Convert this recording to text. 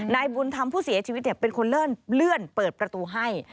นายบุญธรรมผู้เสียชีวิตเป็นคนเลื่อนเปิดประตูให้